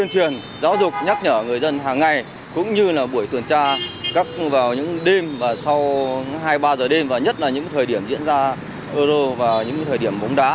sau hai ba giờ đêm và nhất là những thời điểm diễn ra euro và những thời điểm bóng đá